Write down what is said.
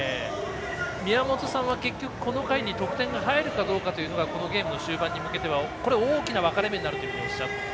宮本さんはこの回に得点が入るかどうかがこのゲームの終盤に向けては大きな分かれ目になるとおっしゃって。